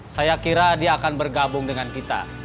saya kira dia akan bergabung dengan kita